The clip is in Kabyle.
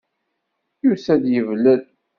Yusa-d yeblel.